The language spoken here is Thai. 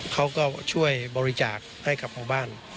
เขาก็ช่วยบริจาคให้กับหมู่บ้าน